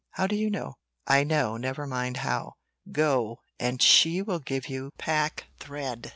"How do you know?" "I know! never mind how. Go, and she will give you packthread.